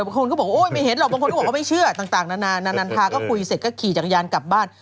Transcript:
คนก็บอกไม่เห็นหรอบางคนไม่เชื่อต่างนันทาก็คุยเสร็จก็ขี่จักรยานกลับบ้าน